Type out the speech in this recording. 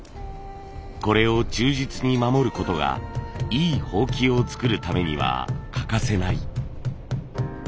これを忠実に守ることがいい箒を作るためには欠かせない。